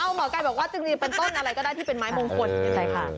เอาหมอไก่บอกว่าจึงดีเป็นต้นอะไรก็ได้ที่เป็นไม้มงคล